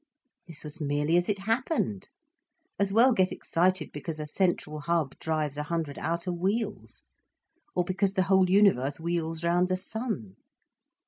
This was merely as it happened. As well get excited because a central hub drives a hundred outer wheels or because the whole universe wheels round the sun.